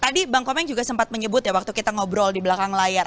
tadi bang komeng juga sempat menyebut ya waktu kita ngobrol di belakang layar